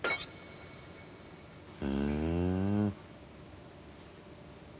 ふん。